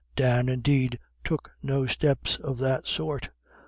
Dan, indeed, took no steps of that sort.